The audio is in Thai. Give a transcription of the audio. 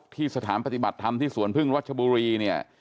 ที่สถานปฏิบัติธรรมที่สวนพึ่งรัชบุรีเนี่ย